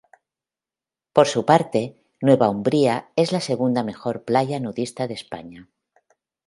Por su parte, Nueva Umbría es la segunda mejor playa nudista de España.